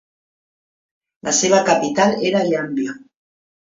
La seva capital era Yambio.